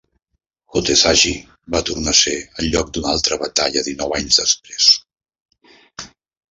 Kotesashi va tornar a ser el lloc d'una altra batalla dinou anys després.